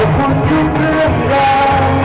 ขอบคุณทุกเรื่องราว